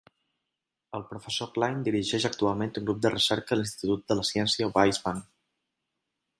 El professor Klein dirigeix actualment un grup de recerca a l'Institut de la Ciència Weizmann.